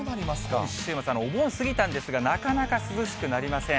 今週末、お盆過ぎたんですが、なかなか涼しくなりません。